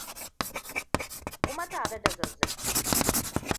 kuma tare da zazzabi